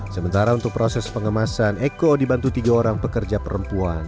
sementara untuk proses pengemasan eko dibantu tiga orang pekerja perempuan